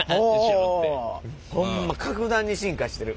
ホンマ格段に進化してる。